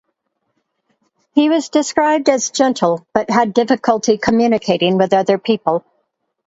He was described as gentle but had difficulty communicating with other people.